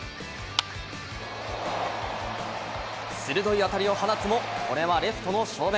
鋭い当たりを放つもこれはレフトの正面。